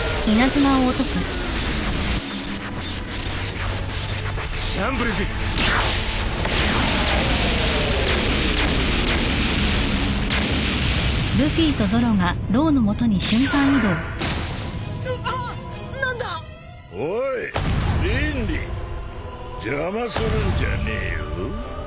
邪魔するんじゃねえよ。